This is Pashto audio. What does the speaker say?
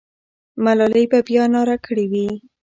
ملالۍ به بیا ناره کړې وي.